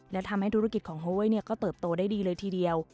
และทำให้ธุรกิจของโฮเว้ยก็เติบโตได้ดีเลยทีเดียว